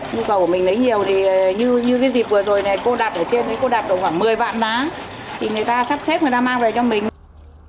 nhu cầu của mình lấy nhiều thì như cái dịp vừa rồi này cô đặt ở trên cái cô đạt được khoảng một mươi vạn đá thì người ta sắp xếp người ta mang về cho mình